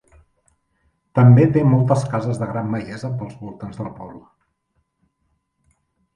També té moltes cases de gran bellesa pels voltants del poble.